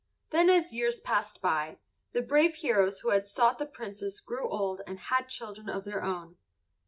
Then as years passed by, the brave heroes who had sought the Princess grew old and had children of their own.